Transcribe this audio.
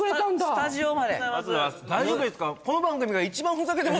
スタジオまで大丈夫ですか？